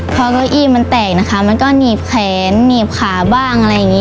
พอเก้าอี้มันแตกนะคะมันก็หนีบแขนหนีบขาบ้างอะไรอย่างนี้